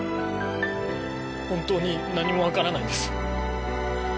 本当に何も分からないんです。